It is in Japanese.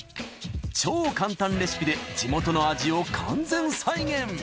超簡単レシピで地元の味を完全再現！